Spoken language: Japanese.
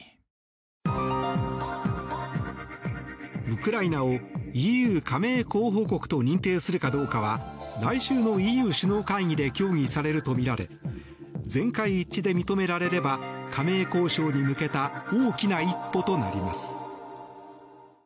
ウクライナをＥＵ加盟候補国と認定するかどうかは来週のＥＵ首脳会議で協議されるとみられ全会一致で認められれば加盟交渉に向けた大きな一歩となります。